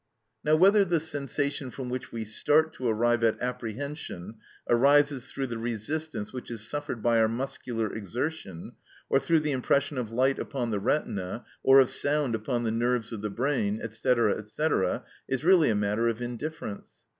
Now whether the sensation from which we start to arrive at apprehension arises through the resistance which is suffered by our muscular exertion, or through the impression of light upon the retina, or of sound upon the nerves of the brain, &c. &c., is really a matter of indifference.